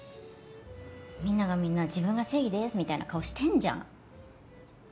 みんながみんな自分が正義ですみたいな顔してんじゃん。